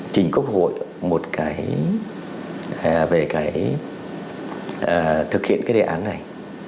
trình quốc hội một cái về cái thực hiện cái đề án này